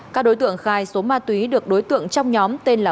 các đối tượng khai số ma túy được đối tượng trong nhóm tên là